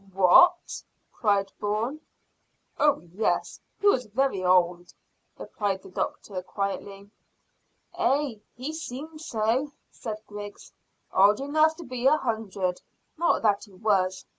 "What?" cried Bourne. "Oh yes, he was very old," replied the doctor quietly. "Ay, he seemed so," said Griggs. "Old enough to be a hundred; not that he was.